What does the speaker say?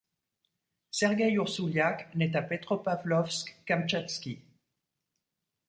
Sergueï Oursouliak nait à Petropavlovsk-Kamtchatski.